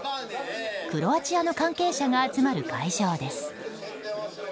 クロアチアの関係者が集まる会場です。